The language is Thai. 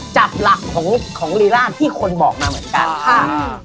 จับหลักของรีร่างที่คนบอกมาเหมือนกัน